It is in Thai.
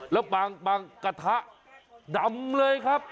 แล้วบางกระทะดำเลยครับ